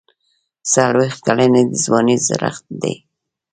څلوېښت کلني د ځوانۍ زړښت دی.